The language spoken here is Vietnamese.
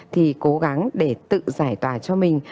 thì cố gắng để tự giải tỏa cho mình